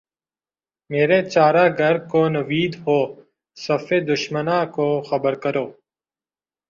مرے چارہ گر کو نوید ہو صف دشمناں کو خبر کرو